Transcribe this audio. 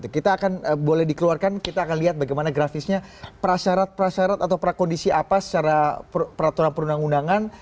kita akan boleh dikeluarkan kita akan lihat bagaimana grafisnya prasyarat prasyarat atau prakondisi apa secara peraturan perundang undangan